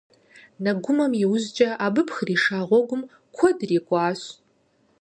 Нэгумэм иужькӀи абы пхиша гъуэгум куэд ирикӀуащ.